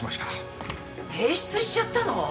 提出しちゃったの？